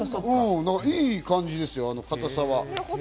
いい感じですよ、硬さは。